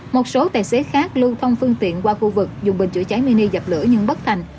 một số tài xế khác lưu thông phương tiện qua khu vực dùng bình chữa cháy mini dập lửa nhưng bất thành